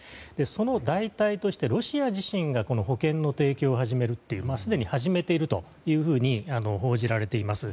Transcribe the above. その代替として、ロシア自身が保険の提供を始めるとすでに始めているというふうに報じられています。